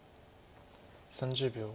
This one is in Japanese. ３０秒。